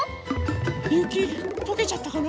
ゆきとけちゃったかな？